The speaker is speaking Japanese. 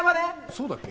そうだっけ？